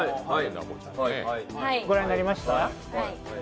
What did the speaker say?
ご覧になりました？